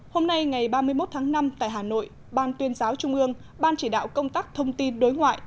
hôm nay ngày ba mươi một tháng năm tại hà nội ban tuyên giáo trung ương ban chỉ đạo công tác thông tin đối ngoại